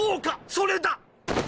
それだ！